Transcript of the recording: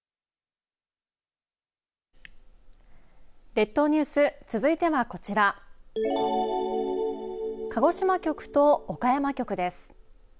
列島ニュース続いてはこちら鹿児島局と岡山局です。